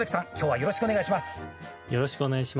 よろしくお願いします。